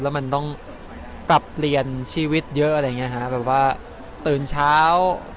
แล้วมันต้องปรับเปลี่ยนชีวิตเยอะอะไรอย่างเงี้ฮะแบบว่าตื่นเช้า